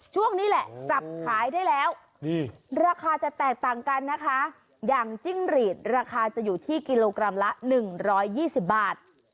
ช่วงนี้แหละจับขายได้แล้วราคาจะแตกต่างกันนะคะอย่างจิ้งหรีดราคาจะอยู่ที่กิโลกรัมละ๑๒๐บาท